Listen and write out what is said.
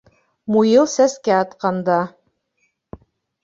Муйыл сәскә атҡанда